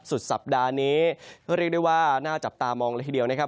สุดสัปดาห์นี้เรียกได้ว่าน่าจับตามองเลยทีเดียวนะครับ